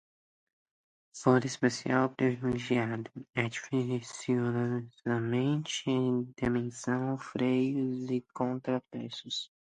foro especial ou privilegiado, artificiosamente, detenção, freios e contrapesos